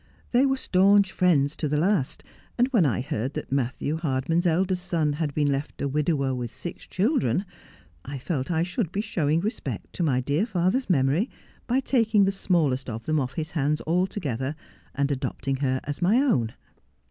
They were staunch friends to the last ; and when I heard that Matthew Hardman's eldest son had been left a widower with six children, I felt I should be showing respect to my dear father's memory by taking the smallest of them off his hands altogether, and adopting her as my own.